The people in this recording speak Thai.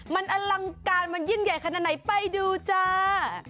มันอลังการมันยิ่งใหญ่ขนาดไหนไปดูจ้า